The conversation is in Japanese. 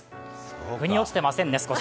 ふに落ちてませんね、少し。